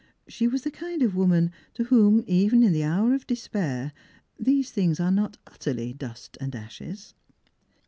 She was the kind of woman to whom even in the hour of despair these things are not utterly dust and ashes.